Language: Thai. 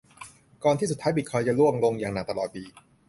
ก่อนที่สุดท้ายบิตคอยน์จะร่วงลงอย่างหนักตลอดปี